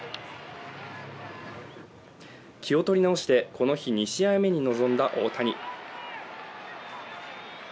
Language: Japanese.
気を取り直して、この日２試合目に臨んだ大谷。